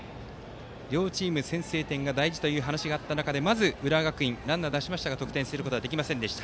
両チーム、先制点が大事という話があった中でまず浦和学院ランナーを出しましたが得点できませんでした。